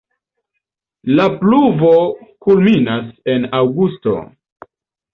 La pluvo kulminas en aŭgusto.